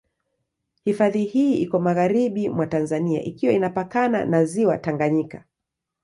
Hifadhi hii iko magharibi mwa Tanzania ikiwa inapakana na Ziwa Tanganyika.